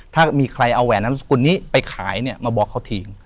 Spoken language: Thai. ถ้ามีใครเอาแหวนทองสกุลนี้ไปขายมาบอกเขาที